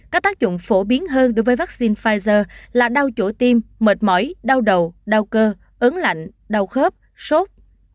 có tác dụng phổ biến hơn đối với vaccine pfizer là đau chỗ tim mệt mỏi đau đầu đau cơ ứng lạnh đau khớp sốt